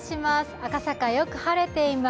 赤坂、よく晴れています。